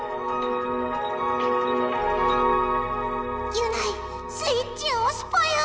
ギュナイスイッチをおすぽよ！